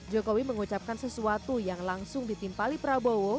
jokowi mengucapkan sesuatu yang langsung ditimpali prabowo